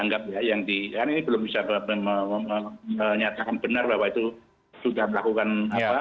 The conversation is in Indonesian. karena ini belum bisa menyatakan benar bahwa itu sudah melakukan apa